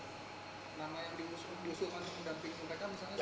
nama yang diusulkan untuk mendampingi mereka misalnya